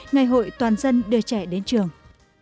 ngày hội toàn dân đưa trẻ đến trường